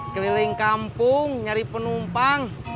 keliling kampung nyari penumpang